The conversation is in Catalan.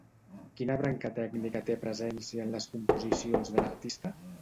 Quina branca tècnica té presència en les composicions de l'artista?